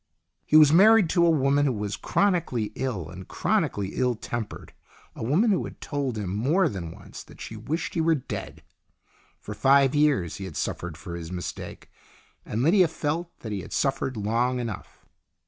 He was married to a woman who was chronically ill and chronically ill tempered a woman who had told him more than once that she wished he were dead. For five years he had suffered for his mistake, and Lydia felt that he had suffered long enough.